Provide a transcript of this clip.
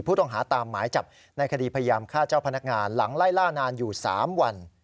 ผู้ต้องหาตามหมายจับในคดีพยายามฆ่าเจ้าพนักงานหลังไล่ล่านานอยู่๓วัน